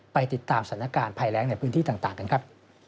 ไปติดตามสถานการณ์ภัยแรงในพื้นที่ต่างกันครับ